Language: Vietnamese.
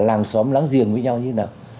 làng xóm láng giềng với nhau như thế nào